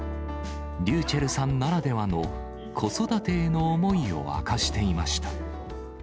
りゅうちぇるさんならではの子育てへの思いを明かしていました。